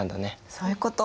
そういうこと。